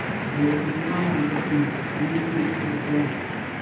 قايغۇرمىسىلا، ھەزرىتىم، مەن سىلىنى قۇتۇلدۇرۇپ قالاي.